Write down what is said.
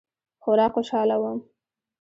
خورا خوشحاله وم.